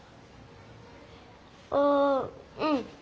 あうん。